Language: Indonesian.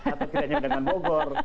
atau tidak nyaman dengan bogor